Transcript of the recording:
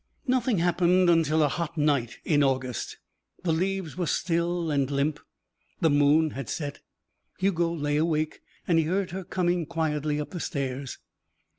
Nothing happened until a hot night in August. The leaves were still and limp, the moon had set. Hugo lay awake and he heard her coming quietly up the stairs.